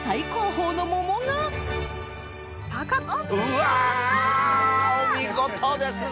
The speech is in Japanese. うわお見事ですね。